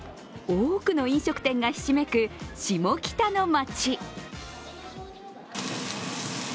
多くの飲食店がひしめくシモキタの街。